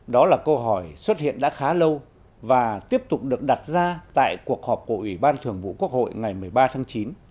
đó là câu hỏi xuất hiện đã khá lâu và tiếp tục được đặt ra tại cuộc họp của ủy ban thường vụ quốc hội ngày một mươi ba tháng chín